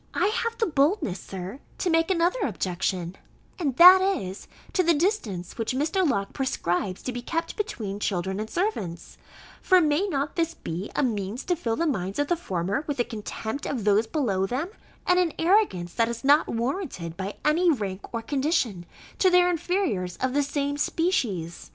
I have the boldness, Sir, to make another objection; and that is, to the distance which Mr. Locke prescribes to be kept between children and servants: for may not this be a means to fill the minds of the former with a contempt of those below them, and an arrogance that is not warranted by any rank or condition, to their inferiors of the same species?